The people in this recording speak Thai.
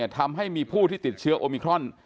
ทำให้มีผู้ที่ติดเชื้อโอมิครอน